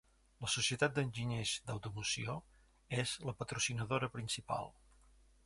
La Societat d'Enginyers d'Automoció és la patrocinadora principal.